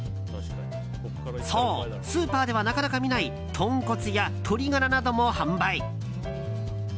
そう、スーパーではなかなか見ない豚骨や鶏ガラなども販売。